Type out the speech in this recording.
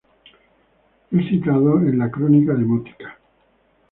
Es citado en la "Crónica Demótica".